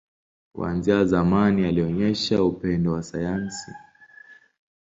Kuanzia zamani, alionyesha upendo wa sayansi.